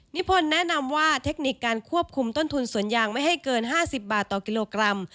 พนธ์แนะนำว่าเทคนิคการควบคุมต้นทุนสวนยางไม่ให้เกิน๕๐บาทต่อกิโลกรัม